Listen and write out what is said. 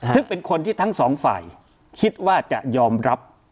ซึ่งเป็นคนที่ทั้งสองฝ่ายคิดว่าจะยอมรับ